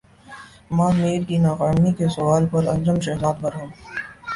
ماہ میر کی ناکامی کے سوال پر انجم شہزاد برہم